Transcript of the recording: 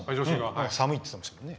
寒いっていってましたね。